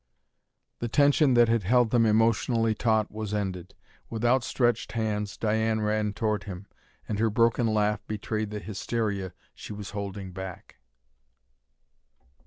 The tension that had held them emotionally taut was ended. With outstretched hands Diane ran toward him, and her broken laugh betrayed the hysteria she was holding back.